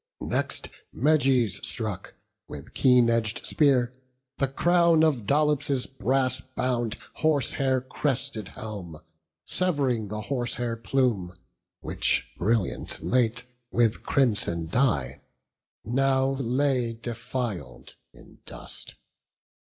Next Meges struck, with keen edg'd spear, the crown Of Dolops' brass bound, horsehair crested helm, Sev'ring the horsehair plume, which, brilliant late With crimson dye, now lay defil'd in dust.